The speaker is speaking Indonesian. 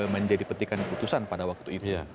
menjadi petikan keputusan pada waktu itu